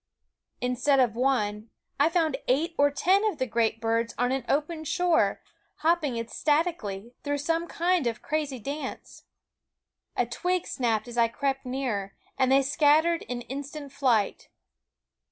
Instead of one, I found eight or ten of the great birds on an open shore, hopping ecstatically through some kind of a crazy dance. A twig snapped as I crept nearer, and they scattered in instant flight.